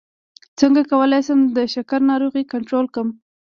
څنګه کولی شم د شکر ناروغي کنټرول کړم